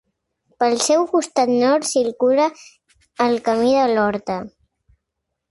Pel seu costat nord circula el Camí de l'Horta.